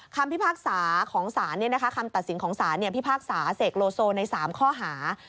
คำตัดสินของสารพี่ภาคสาเสกโลโซใน๓ข้อหา